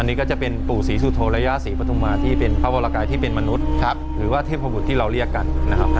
อันนี้ก็จะเป็นปู่ศรีสุโธย่าศรีปฐุมะ